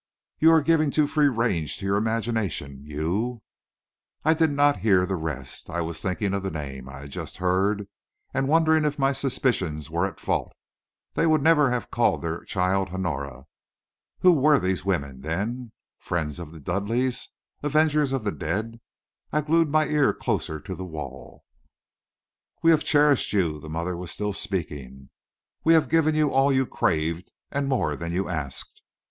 "You are giving too free range to your imagination. You " I did not hear the rest. I was thinking of the name I had just heard, and wondering if my suspicions were at fault. They would never have called their child Honora. Who were these women, then? Friends of the Dudleighs? Avengers of the dead? I glued my ear still closer to the wall. "We have cherished you." The mother was still speaking. "We have given you all you craved, and more than you asked.